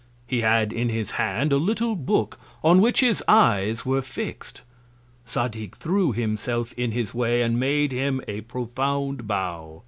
He had in his Hand a little Book, on which his Eyes were fix'd. Zadig threw himself in his Way, and made him a profound Bow.